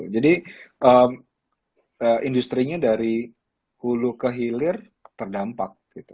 industri nya dari hulu ke hilir terdampak gitu